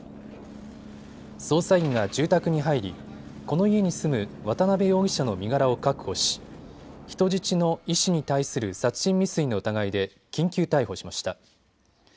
捜査員が住宅に入りこの家に住む渡邊容疑者の身柄を確保し人質の医師に対する殺人未遂の疑いで緊急逮捕しました。